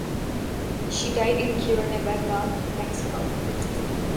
She died in Cuernavaca, Mexico.